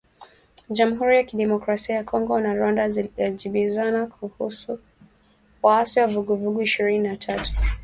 Jamuhuri ya Kidemokrasia ya Kongo na Rwanda zajibizana kuhusu waasi wa Vuguvugu la Ishirini na tatu